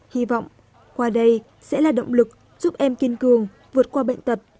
hy vọng qua đây sẽ là động lực giúp em kiên cường vượt qua bệnh tật